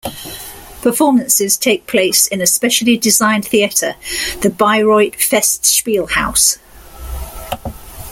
Performances take place in a specially designed theatre, the Bayreuth Festspielhaus.